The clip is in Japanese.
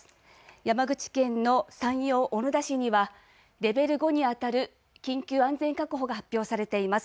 山口県の山陽小野田市にはレベル５に当たる緊急安全確保が発表されています。